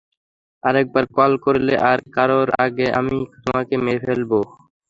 আরেকবার কল করলে আর কারোর আগে আমিই তোমাকে মেরে ফেলব।